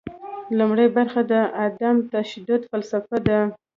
لومړۍ برخه د عدم تشدد فلسفه ده.